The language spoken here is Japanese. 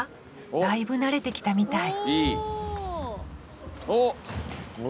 だいぶ慣れてきたみたいおお！